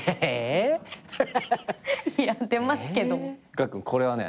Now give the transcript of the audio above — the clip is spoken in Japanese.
がっくんこれはね